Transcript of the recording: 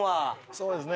そうですね。